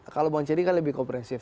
kalau bang cedi kan lebih kompresif